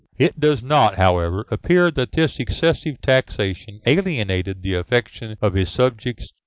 It does not, however, appear that this excessive taxation alienated the affection of his subjects.